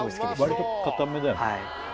割とかためだよね